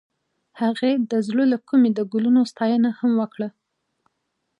هغې د زړه له کومې د ګلونه ستاینه هم وکړه.